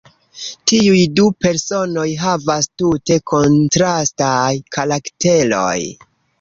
Tiuj du personoj havas tute kontrastaj karakteroj.